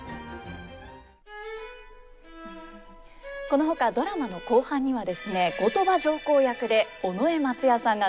このほかドラマの後半にはですね後鳥羽上皇役で尾上松也さんが登場します。